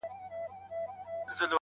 ځوانان مې فصل خرابوي